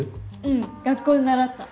うん学校で習った。